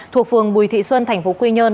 thuộc phường bùi thị xuân tp quy nhơn